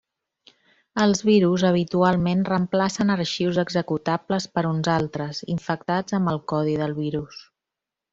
Els virus, habitualment, reemplacen arxius executables per uns altres, infectats amb el codi del virus.